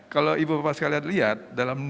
kalau ibu bapak sekalian lihat dalam